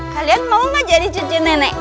kalian mau gak jadi cucu nenek